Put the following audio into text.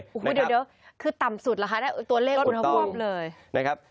โอ้โฮเดี๋ยวคือต่ำสุดหรือคะตัวเลขอุณหภอมเลย